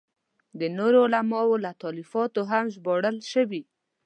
د نورو علماوو له تالیفاتو هم ژباړل شوي.